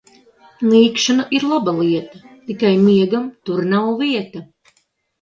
Nīkšana ir laba lieta, tikai miegam tur nav vieta.